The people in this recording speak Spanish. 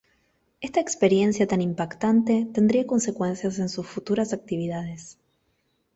Esta experiencia tan impactante tendría consecuencias en sus futuras actividades.